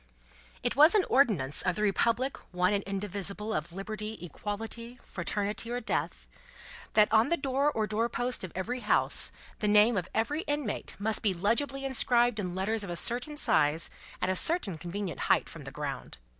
It was an ordinance of the Republic One and Indivisible of Liberty, Equality, Fraternity, or Death, that on the door or doorpost of every house, the name of every inmate must be legibly inscribed in letters of a certain size, at a certain convenient height from the ground.